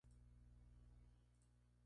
Su origen se remonta a la Antigüedad clásica.